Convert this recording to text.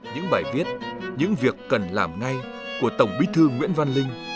những bài viết những việc cần làm ngay của tổng bí thư nguyễn văn linh